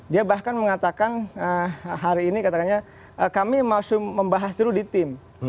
dia bahkan mengatakan hari ini katakannya kami masih membahas dulu di tim